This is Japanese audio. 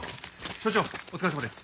署長お疲れさまです。